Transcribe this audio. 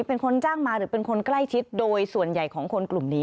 เป็นคนจ้างมาหรือเป็นคนใกล้ชิดโดยส่วนใหญ่ของคนกลุ่มนี้